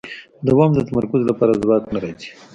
دوام د تمرکز له ځواک نه راځي.